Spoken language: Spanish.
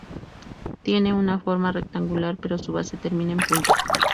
Tiene una forma rectangular, pero su base termina en punta.